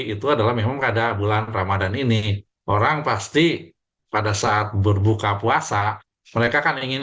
itu adalah memang pada bulan ramadhan ini orang pasti pada saat berbuka puasa mereka kan ingin